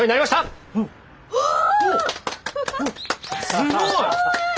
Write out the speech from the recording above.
すごい！